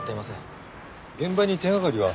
現場に手がかりは？